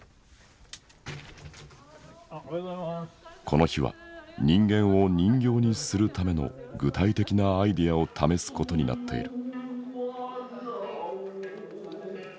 この日は人間を人形にするための具体的なアイデアを試すことになっている。